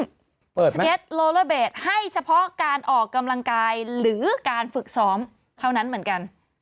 สเก็ตโลเลอร์เบสให้เฉพาะการออกกำลังกายหรือการฝึกซ้อมเท่านั้นเหมือนกัน